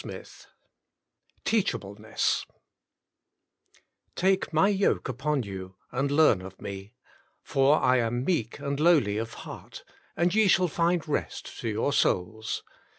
XVIII TEACHABLENESS " Take My yoke upon you and learn of Me : for I am meek and lowly of heart ; and ye shall find rest to your souls."